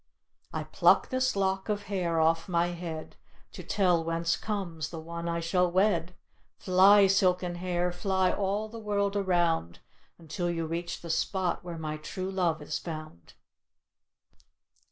"I pluck this lock of hair off my head To tell whence comes the one I shall wed. Fly, silken hair, fly all the world around Until you reach the spot where my true love is found."